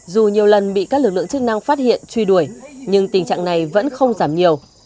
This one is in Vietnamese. dù nhiều lần bị các lực lượng chức năng phát hiện truy đuổi nhưng tình trạng này vẫn không giảm nhiều